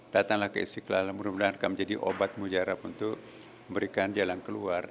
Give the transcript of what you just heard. datanglah ke istiqlal mudah mudahan akan menjadi obat mujarab untuk memberikan jalan keluar